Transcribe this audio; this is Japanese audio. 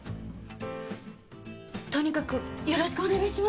とにかくよろしくお願いします。